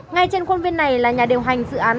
ngay trên khuôn viên này là nhà điều hành dự án